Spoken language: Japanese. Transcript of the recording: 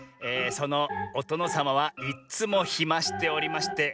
「そのおとのさまはいっつもひましておりまして